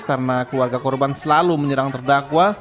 karena keluarga korban selalu menyerang terdakwa